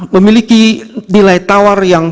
memiliki nilai tawar yang